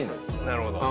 なるほど。